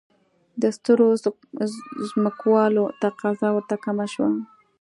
د سترو ځمکوالو تقاضا ورته کمه شوه.